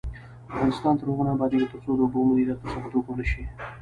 افغانستان تر هغو نه ابادیږي، ترڅو د اوبو مدیریت په سمه توګه ونشي.